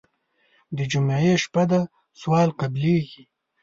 د جمعې شپه ده سوال قبلېږي.